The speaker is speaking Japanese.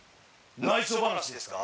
「内緒話ですか？